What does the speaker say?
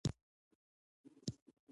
هغه هغې ته د تاوده غروب ګلان ډالۍ هم کړل.